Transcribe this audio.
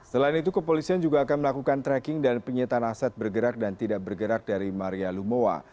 selain itu kepolisian juga akan melakukan tracking dan penyitaan aset bergerak dan tidak bergerak dari maria lumowa